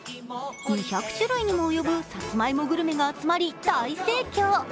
２００種類にも及ぶサツマイモグローバルが集まり大盛況。